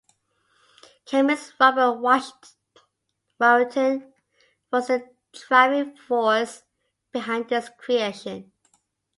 Chemist Robert Warington was the driving force behind its creation.